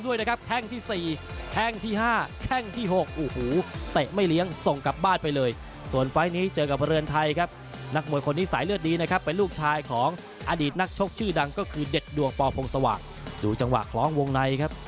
อดีตนักชกชื่อดังก็คือเด็ดดวงปพงศวรรษดูจังหวะคล้องวงในครับ